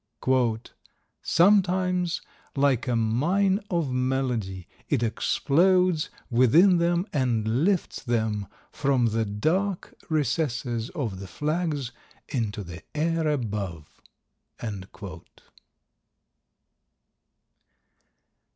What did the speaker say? "Sometimes, like a mine of melody, it explodes within them and lifts them from the dark recesses of the flags into the air above."